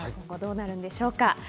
今後どうなるんでしょうか。